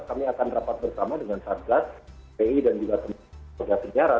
kami akan rapat bersama dengan satgas kpi dan juga kpi keputusan pemerintah sejarah